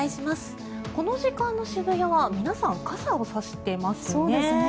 この時間の渋谷は皆さん、傘を差していますね。